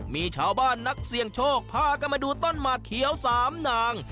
มีชาวบ้านนักเสี่ยงโชคพากันมาดูต้นหมากเขียว๓นาง